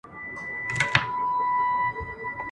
له خپل یزدانه ګوښه ..